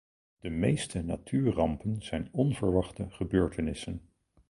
De meeste natuurrampen zijn onverwachte gebeurtenissen.